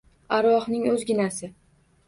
Arvohning o`zginasi